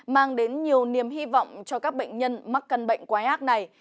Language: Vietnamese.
mang đến nhiều niềm hy vọng cho các bệnh nhân mắc căn bệnh quái ác này